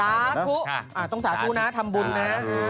สาธุต้องสาธุนะทำบุญนะ